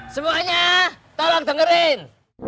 semuanya tolong dengerin